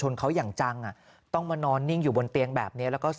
ลองฟังครับ